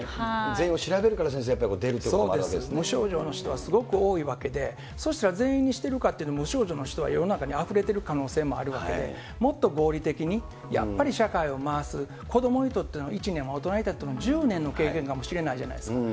全員を調べるから先生、そうです、無症状の人はすごく多いわけで、そうしたら全員にしてるかって言うと、無症状の人が世の中にあふれてる可能性もあるわけで、もっと合理的に、やっぱり社会を回す、子どもにとっての１年は大人にとっての１０年の経験かもしれないじゃないですか。